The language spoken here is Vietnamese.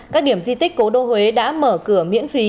các điểm di tích cố đô huế đã mở cửa miễn phí